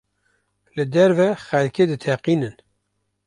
Li derve xelkê diteqînin.